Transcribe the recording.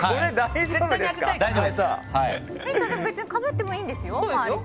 別にかぶってもいいんですよ？